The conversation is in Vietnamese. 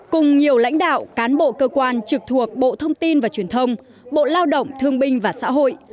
cùng nhiều lãnh đạo cán bộ cơ quan trực thuộc bộ thông tin và truyền thông bộ lao động thương binh và xã hội